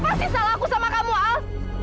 apa sih salah aku sama kamu al